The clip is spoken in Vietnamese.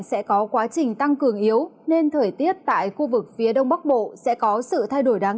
sẽ có quá trình tăng cường yếu nên thời tiết tại khu vực phía đông bắc bộ sẽ có sự thay đổi đáng